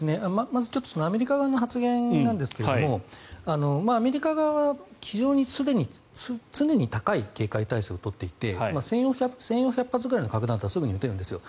まずアメリカ側の発言なんですがアメリカ側は常に高い警戒態勢を取っていて１４００発くらいの核弾頭はすぐに撃てるんですよ。